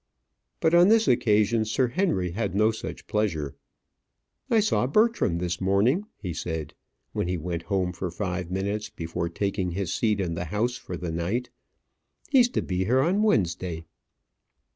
But on this occasion Sir Henry had no such pleasure. "I saw Bertram this morning," he said, when he went home for five minutes before taking his seat in the House for the night. "He's to be here on Wednesday."